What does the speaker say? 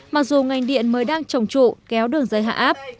mặc dù ngành điện mới đang trồng trụ kéo đường dây hạ áp